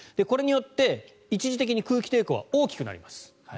これによって一時的に空気抵抗は大きくなります。